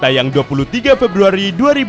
tayang dua puluh tiga februari dua ribu dua puluh